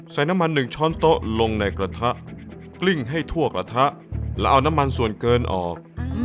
ใส่น้ำมันหนึ่งช้อนโต๊ะลงในกระทะกลิ้งให้ทั่วกระทะแล้วเอาน้ำมันส่วนเกินออก